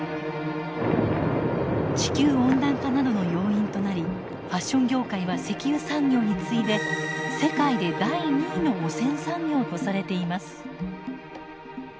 地球温暖化などの要因となりファッション業界は石油産業に次いで世界で第２位の汚染産業とされています。